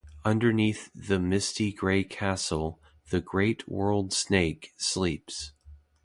Underneath the misty grey castle, the Great World Snake sleeps.